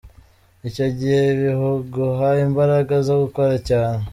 Icyo gihe biguha imbaraga zo gukora cyane”.